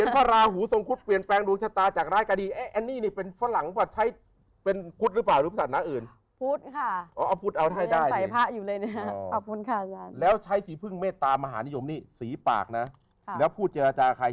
พูดค่ะแล้วใช้สีพึ่งเมตตามหานิยมนี่สีปากแล้วพูดเจรจาใคร